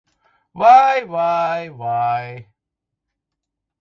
Vai, vai, vai!